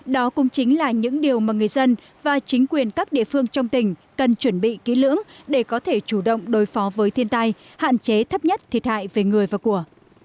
đó cũng chính là những điều mà người dân và chính quyền các địa phương trong tỉnh cần chuẩn bị kỹ lưỡng để có thể chủ động đối phó với thiên tai hạn chế thấp nhất thiệt hại về người và của